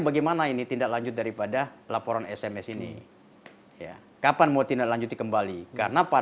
bagaimana ini tindak lanjut daripada laporan sms ini ya kapan mau tindak lanjuti kembali karena